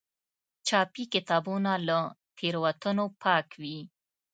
چاپي کتابونه له تېروتنو پاک وي.